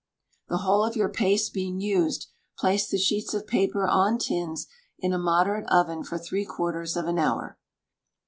The whole of your paste being used, place the sheets of paper on tins in a moderate oven for three quarters of an hour.